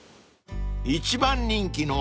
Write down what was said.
［一番人気の］